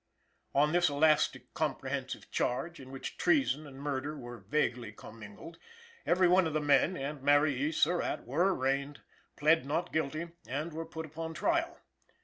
On this elastic comprehensive Charge, in which treason and murder are vaguely commingled, every one of the men, and Mary E. Surratt, were arraigned, plead not guilty, and were put upon trial.